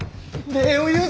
礼を言う！